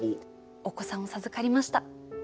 お子さんを授かりました。